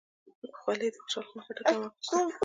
خولۍ د خوشحال خان خټک هم اغوسته.